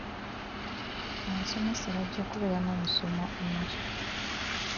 Abasomesa bajja kubeera n'omusomo enkya.